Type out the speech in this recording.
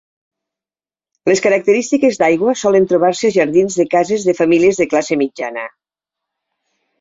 Les característiques d'aigua solen trobar-se a jardins de cases de famílies de classe mitja.